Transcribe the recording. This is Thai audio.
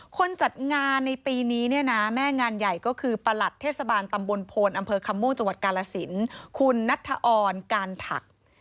คัมม่วงจังหวัดกาลสินคุณนัทธาอร์นกาลถัก